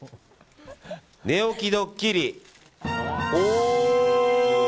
寝起きドッキリ、おー！